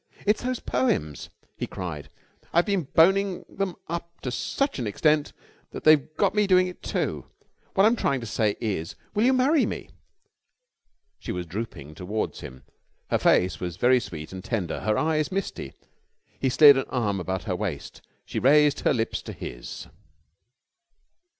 "It's those poems!" he cried. "I've been boning them up to such an extent that they've got me doing it too. What I'm trying to say is, Will you marry me?" She was drooping towards him. Her face was very sweet and tender, her eyes misty. He slid an arm about her waist. She raised her lips to his.